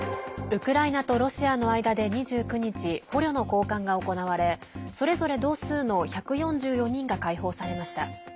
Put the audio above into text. ウクライナとロシアの間で２９日、捕虜の交換が行われそれぞれ同数の１４４人が解放されました。